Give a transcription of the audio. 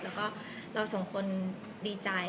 แล้วก็เราสองคนดีใจ